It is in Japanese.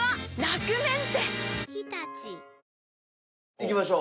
いきましょう。